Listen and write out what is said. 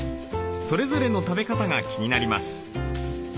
それぞれの食べ方が気になります。